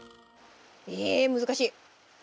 え難しい。